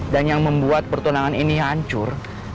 dan yang membuat pertunangan ini hancur